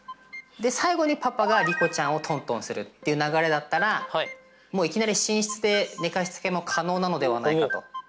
で最後にパパが莉子ちゃんをトントンするっていう流れだったらもういきなり寝室で寝かしつけも可能なのではないかと。